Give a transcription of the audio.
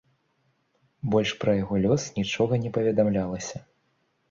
Больш пра яго лёс нічога не паведамлялася.